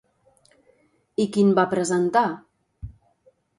I quin va presentar?